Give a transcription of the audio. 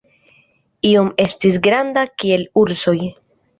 Iom estis granda kiel ursoj.